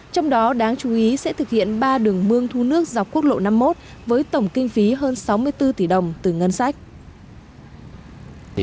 trong đó đáng chú ý sẽ thực hiện ba đường mương thu nước dọc quốc lộ năm mươi một với tổng kinh phí hơn sáu mươi bốn tỷ đồng từ ngân sách